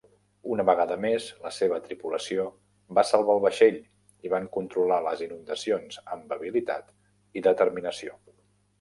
Una vegada més, la seva tripulació va salvar el vaixell i van controlar les inundacions amb habilitat i determinació.